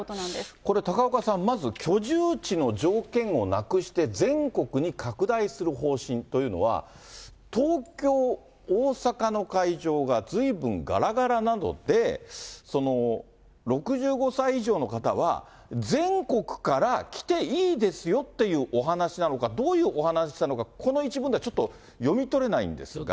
これ、高岡さん、まず居住地の条件をなくして、全国に拡大する方針というのは、東京、大阪の会場がずいぶんがらがらなので、６５歳以上の方は、全国から来ていいですよっていうお話しなのか、どういうお話なのかこの一文ではちょっと読み取れないんですが。